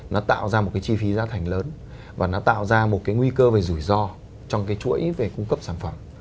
nó tạo ra một cái chi phí giá thành lớn và nó tạo ra một cái nguy cơ về rủi ro trong cái chuỗi về cung cấp sản phẩm